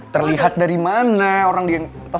terlihat dari mana orang diatas panggung aja gak ada kok